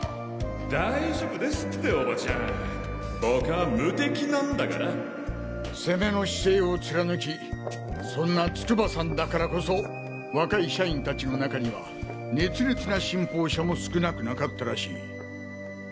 大丈夫ですって叔母ちゃん僕は無敵な攻めの姿勢を貫きそんな筑波さんだからこそ若い社員達の中には熱烈な信奉者も少なくなかったらしい。